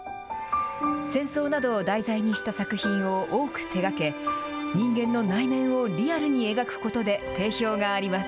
戦争などを題材にした作品を多く手がけ、人間の内面をリアルに描くことで定評があります。